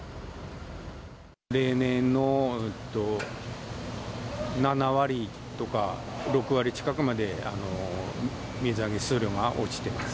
例年の７割とか６割近くまで水揚げ数量が落ちてます。